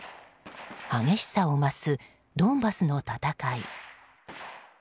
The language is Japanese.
激しさを増すドンバスの戦い。